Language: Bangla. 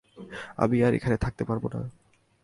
আমি আর এখানে থাকতে পারবো না।